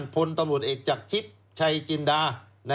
พตเอกจักรชิปชัยจินดา